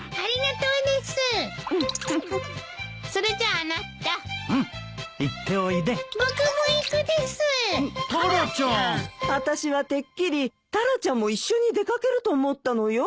あたしはてっきりタラちゃんも一緒に出掛けると思ったのよ。